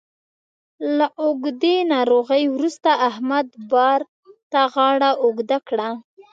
له اوږدې ناروغۍ وروسته احمد بار ته غاړه اوږده کړه